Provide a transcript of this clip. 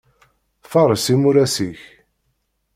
Faṛes imuras-ik.